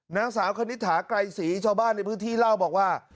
นางสาวคณิตถาไกรศรีชาวบ้านในพื้นที่เล่าบอกว่า